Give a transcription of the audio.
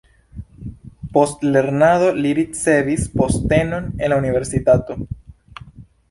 Post lernado li ricevis postenon en la universitato.